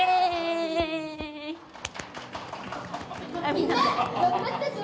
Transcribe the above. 「みんな頑張ったゾ！」